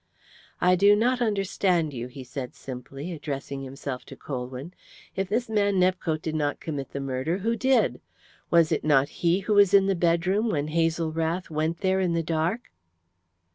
"I do not understand you," he said simply, addressing himself to Colwyn. "If this man Nepcote did not commit the murder, who did? Was it not he who was in the bedroom when Hazel Rath went there in the dark?"